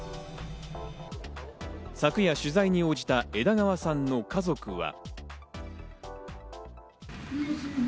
昨夜、取材に応じた枝川さんの家族は。